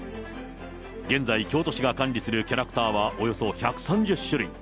現在、京都市が管理するキャラクターはおよそ１３０種類。